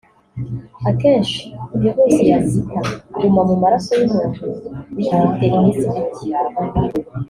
Akenshi virus ya Zika iguma mu maraso y’umuntu uyifite iminsi mike